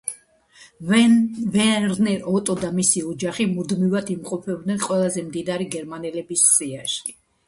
ვერნერ ოტო და მისი ოჯახი მუდმივად იმყოფებოდნენ ყველაზე მდიდარი გერმანელების სიაში.